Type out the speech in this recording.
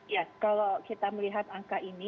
ya kalau kita melihat angka ini